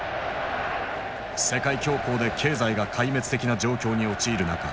世界恐慌で経済が壊滅的な状況に陥る中